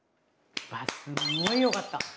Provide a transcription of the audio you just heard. うわすごいよかった。